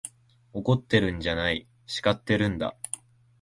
怒ってるんじゃない、叱ってるんだ。